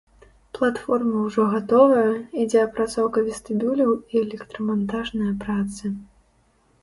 Платформа ўжо гатовая, ідзе апрацоўка вестыбюляў і электрамантажныя працы.